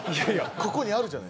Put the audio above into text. ここにあるじゃないですか。